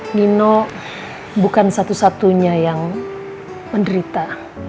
nino bukan satu satunya yang menderita